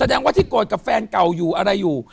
แสดงว่าที่โกรธกับแฟนเก่าอยู่อะไรอยู่